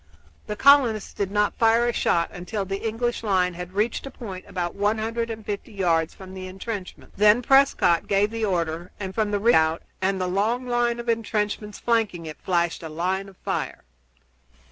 The colonists did not fire a shot until the English line had reached a point about one hundred and fifty yards from the intrenchments. Then Prescott gave the order, and from the redoubt and the long line of intrenchments flanking it flashed a line of fire.